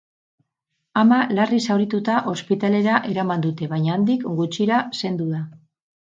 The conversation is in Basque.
Ama larri zaurituta ospitalera eraman dute, baina handik gutxira zendu da.